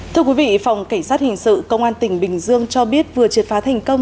thưa quý vị phòng cảnh sát hình sự công an tỉnh bình dương cho biết vừa triệt phá thành công